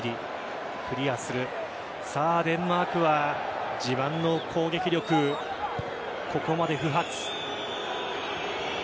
デンマークは自慢の攻撃力ここまで不発。